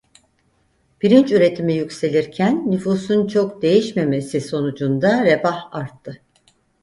Pirinç üretimi yükselirken nüfusun çok değişmemesi sonucunda refah arttı.